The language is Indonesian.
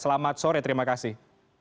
selamat sore terima kasih